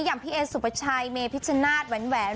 อย่างพี่เอสุปชัยเมพิชชนาธิแหวน